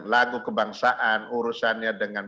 lagu kebangsaan urusannya dengan